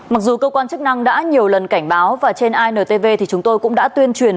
mặc dù cơ quan chức năng đã nhiều lần cảnh báo và trên intv thì chúng tôi cũng đã tuyên truyền